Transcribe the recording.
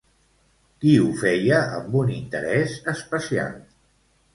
Qui ho feia amb un interès especial?